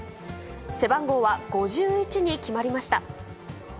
背番号は５１に決まりました。